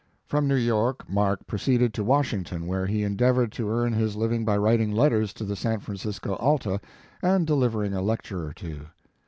From New York Mark proceeded to Washington, where he endeavored to earn his living by writing letters to the San Francisco Alta, and delivering a lecture or two.